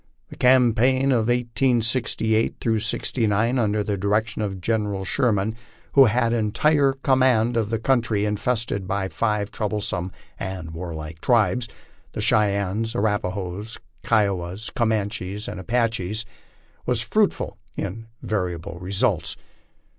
The campaign of 1868 '69, under the direction of General Sheridan, who had entire command of the country infested by the five troublesome and warlike tribes, the Cheyennes, Arapahoes, Kiowas, Comanches, and Apaches, was fruitful in valuable results.